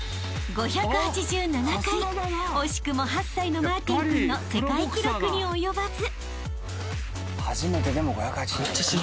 ［惜しくも８歳のマーティン君の世界記録に及ばず］